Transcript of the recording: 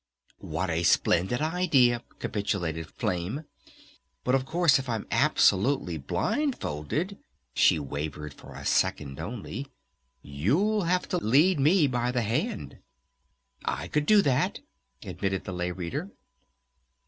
"What a splendid idea!" capitulated Flame. "But, of course, if I'm absolutely blindfolded," she wavered for a second only, "you'll have to lead me by the hand." "I could do that," admitted the Lay Reader.